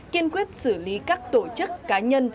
kiên quyết xử lý các tổ chức cá nhân